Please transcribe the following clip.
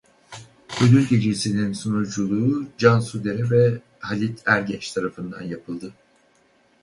Ödül gecesinin sunuculuğu Cansu Dere ve Halit Ergenç tarafından yapıldı.